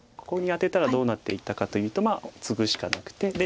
ここにアテたらどうなっていたかというとツグしかなくて。